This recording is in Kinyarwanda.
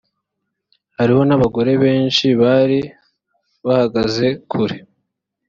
hariho n abagore benshi bari bahagaze kure